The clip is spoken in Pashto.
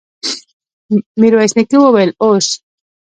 ميرويس نيکه وويل: اوس!